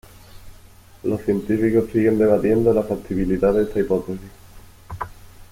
Los científicos siguen debatiendo la factibilidad de esta hipótesis.